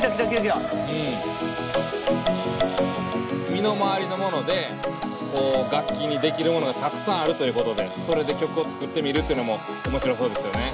身の回りのもので楽器にできるものがたくさんあるということでそれで曲を作ってみるっていうのも面白そうですよね。